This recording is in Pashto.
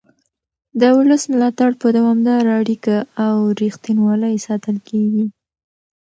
د ولس ملاتړ په دوامداره اړیکه او رښتینولۍ ساتل کېږي